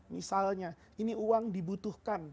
misalnya ini uang dibutuhkan